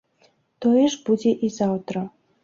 Тое ж будзе і заўтра.